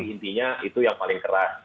intinya itu yang paling keras